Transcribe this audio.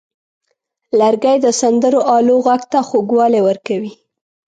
لرګی د سندرو آلو غږ ته خوږوالی ورکوي.